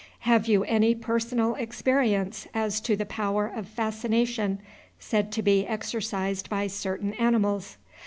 Have you any personal experience as to the power of fascination said to be exercised by certain animals?